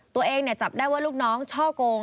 ตัวเองจับได้ว่าลูกน้องช่อโกง